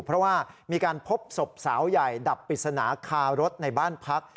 เพราะว่ามีการพบศพสาวใหญ่ดับปริศนาคารถในบ้านพัก